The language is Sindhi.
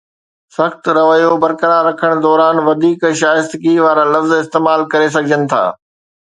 سخت رويو برقرار رکڻ دوران، وڌيڪ شائستگي وارا لفظ استعمال ڪري سگهجن ٿا.